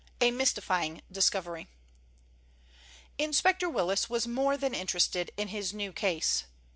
A MYSTIFYING DISCOVERY Inspector Willis was more than interested in his new case.